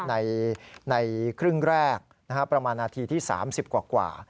ในครึ่งแรกประมาณนาทีที่๓๐กว่า